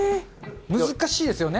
難しいですよね。